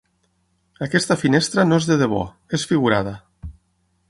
Aquesta finestra no és de debò, és figurada.